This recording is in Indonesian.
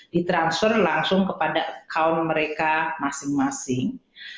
ditransfer langsung kepada account mereka masing masing